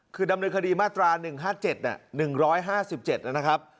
คือดำเนินคดีมาตรา๑๕๗นะหนึ่งร้อยห้าสิบเจ็ดนะครับ